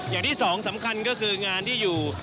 อย่างที่สองสำคัญก็คืองานที่อยู่